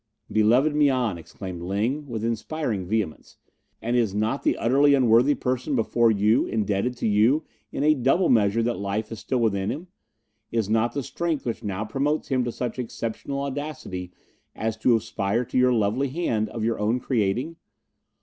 "Beloved Mian," exclaimed Ling, with inspiring vehemence, "and is not the utterly unworthy person before you indebted to you in a double measure that life is still within him? Is not the strength which now promotes him to such exceptional audacity as to aspire to your lovely hand, of your own creating?